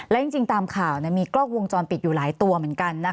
และจริงตามข่าวมีกล้องวงจรปิดอยู่หลายตัวเหมือนกัน